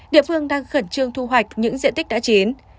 địa phương đang khẩn trương thu hoạch những diện tích đã chín